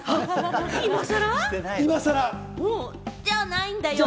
今さら？じゃないんだよ。